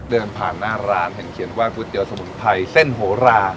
เดินผ่านหน้าร้านแห่งเขียนว่าก๋วยเตี๋ยวสมุนไพรเส้นโหรา